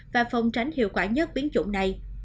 và phòng tránh hiệu quả nhất biến chủng này